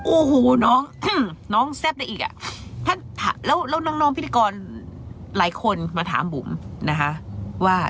โอ้โฮน้องน้องแซ่บได้อีกอะ